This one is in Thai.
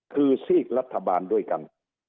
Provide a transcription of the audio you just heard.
คือซีกรัฐบาลด้วยกัน